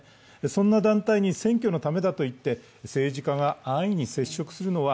そんな団体に選挙のためだといって、政治家が安易に接触するのは